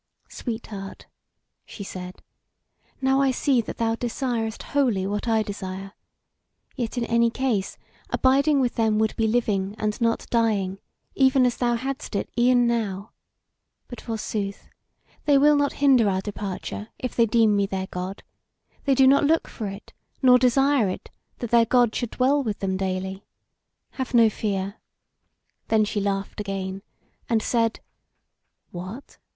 "Sweetheart," she said, "now I see that thou desirest wholly what I desire; yet in any case, abiding with them would be living and not dying, even as thou hadst it e'en now. But, forsooth, they will not hinder our departure if they deem me their God; they do not look for it, nor desire it, that their God should dwell with them daily. Have no fear." Then she laughed again, and said: "What!